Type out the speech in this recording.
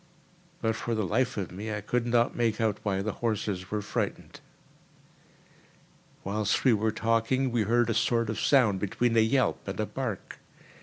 But for the life of me I could not make out why the horses were frightened. Whilst we were talking, we heard a sort of sound between a yelp and a bark.